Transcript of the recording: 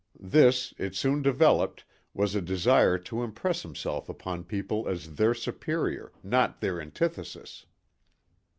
This, it soon developed, was a desire to impress himself upon people as their superior, not their antithesis.